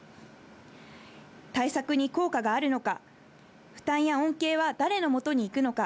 対策に効果があるのか、負担や恩恵は誰の元にいくのか。